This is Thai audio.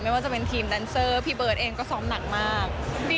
ไม่ว่าจะเป็นทีมแดนเซอร์พี่เบิร์ตเองก็ซ้อมหนักมาก